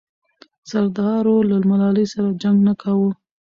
سردارو له ملالۍ سره جنګ نه کاوه.